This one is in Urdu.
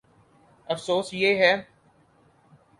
افسوس، یہ ہے۔